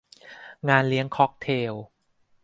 งานเลี้ยงค็อกเทล